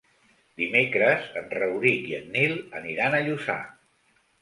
Dimecres en Rauric i en Nil aniran a Lluçà.